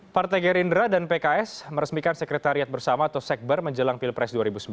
partai gerindra dan pks meresmikan sekretariat bersama atau sekber menjelang pilpres dua ribu sembilan belas